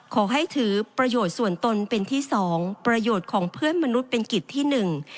ขอให้ถือประโยชน์ส่วนตนเป็นที่สองประโยชน์ของเพื่อนมนุษย์เป็นกิจที่หนึ่ง